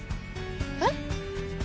えっ？